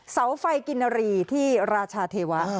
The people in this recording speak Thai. เสาไฟกินรีที่ราชาเทวะ